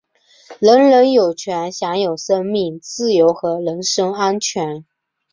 人人有权享有生命、自由和人身安全。